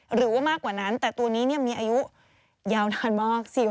หรือว่ามากกว่านั้นแต่ตัวนี้มีอายุยาวนานมาก